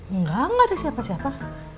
enggak enggak ada siapa siapa